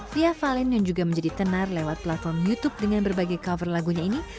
fia valen yang juga menjadi tenar lewat platform youtube dengan berbagai cover lagunya ini